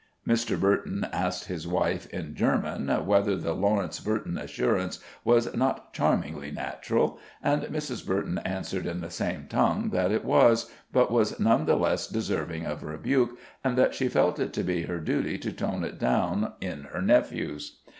Mr. Burton asked his wife, in German, whether the Lawrence Burton assurance was not charmingly natural, and Mrs. Burton answered in the same tongue that it was, but was none the less deserving of rebuke, and that she felt it to be her duty to tone it down in her nephews.